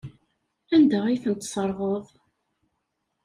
Anda ay ten-tesserɣeḍ?